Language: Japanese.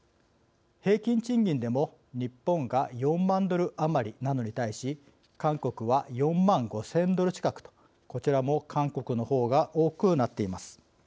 平均賃金でも、日本が４万ドル余りなのに対し韓国は４万５０００ドル近くとこちらも韓国の方が多くなっています。